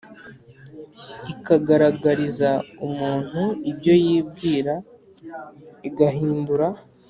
Ikagaragariza umuntu ibyo yibwira igahindura